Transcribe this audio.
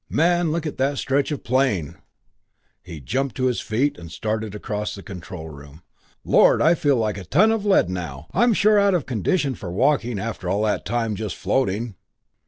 Man look at that stretch of plain!" He jumped to his feet and started across the control room. "Lord I feel like of ton of lead now I sure am out of condition for walking after all that time just floating!"